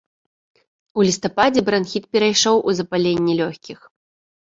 У лістападзе бранхіт перайшоў у запаленне лёгкіх.